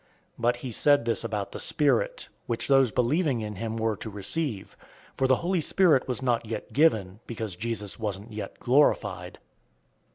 007:039 But he said this about the Spirit, which those believing in him were to receive. For the Holy Spirit was not yet given, because Jesus wasn't yet glorified.